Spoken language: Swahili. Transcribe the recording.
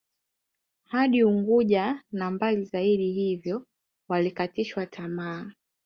Hadi Unguja na mbali zaidi hiyvo walikatishwa tamaa